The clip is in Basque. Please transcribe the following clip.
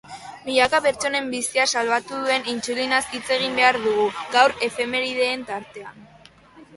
Milaka pertsonen bizia salbatu duen intsulinaz hitz egin behar dugu gaur efemerideen tartean.